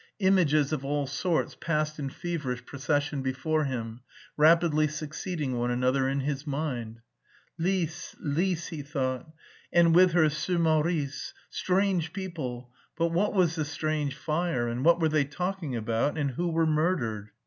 Images of all sorts passed in feverish procession before him, rapidly succeeding one another in his mind. "Lise, Lise," he thought, "and with her ce Maurice.... Strange people.... But what was the strange fire, and what were they talking about, and who were murdered?